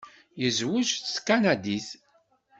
Yezweǧ d tkanadit.